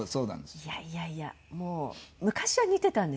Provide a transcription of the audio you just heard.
いやいやいやもう昔は似てたんですよ。